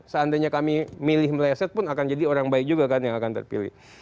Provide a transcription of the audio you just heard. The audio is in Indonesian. seandainya kami milih meleset pun akan jadi orang baik juga kan yang akan terpilih